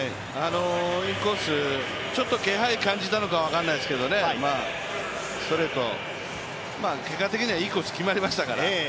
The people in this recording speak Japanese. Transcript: インコース、ちょっと気配感じたのか分からないですけど、ストレート、結果的にはいいコース決まりましたから。